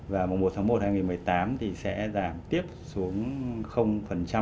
và mùa một tháng một hai nghìn một mươi tám thì sẽ giảm tiếp xuống